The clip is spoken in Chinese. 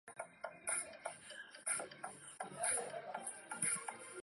广南茶是山茶科山茶属的植物。